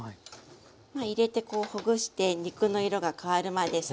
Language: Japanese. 入れてこうほぐして肉の色が変わるまでサッと煮ますね。